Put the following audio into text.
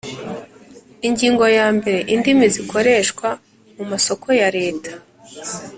Ingingo ya mbere Indimi zikoreshwa mu masoko ya Leta